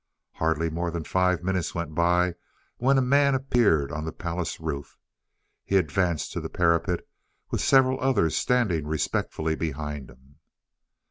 Hardly more than five minutes went by when a man appeared on the palace roof. He advanced to the parapet with several others standing respectfully behind him.